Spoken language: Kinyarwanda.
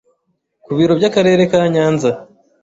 ku biro by’akarere ka nyanza